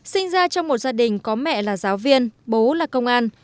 sinh ra trong một gia đình có mẹ là giáo viên bố là công an